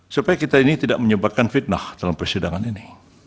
supaya kita ini tidak menyebabkan fitnah dalam persidangan ini